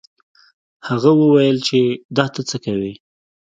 هغه وویل چې دا تا څه وکړل.